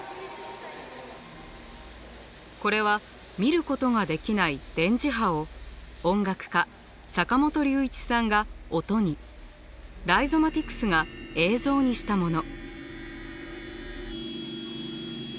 これは見ることができない電磁波を音楽家坂本龍一さんが音にライゾマティクスが映像にしたもの。